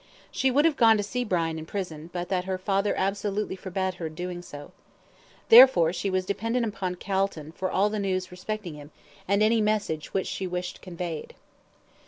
She would have gone to see Brian in prison, but that her father absolutely forbade her doing so. Therefore she was dependent upon Calton for all the news respecting him, and any message which she wished conveyed.